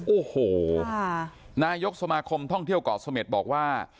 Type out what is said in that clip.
โอ้โหนายกสมาคมท่องเที่ยวเกาะเสม็ดบอกว่า